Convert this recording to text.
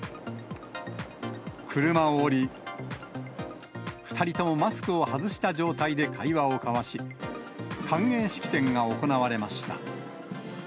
車を降り、２人ともマスクを外した状態で会話を交わし、歓迎式典が行われました。